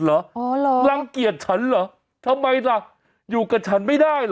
เหรออ๋อเหรอรังเกียจฉันเหรอทำไมล่ะอยู่กับฉันไม่ได้เหรอ